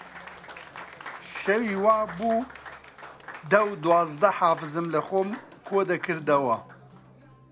شەوی وا بوو دە و دوازدە حافزم لەخۆم کۆ دەکردەوە